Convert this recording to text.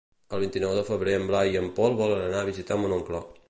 El vint-i-nou de febrer en Blai i en Pol volen anar a visitar mon oncle.